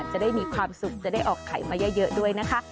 จะได้มีความสุขจะได้ออกไข่มาเยอะด้วยนะคะ